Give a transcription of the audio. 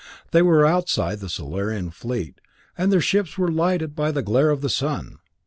They were outside the Solarian fleet, and their ships were lighted by the glare of the sun.